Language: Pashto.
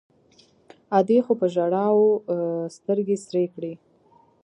ادې خو په ژړاوو سترګې سرې کړې.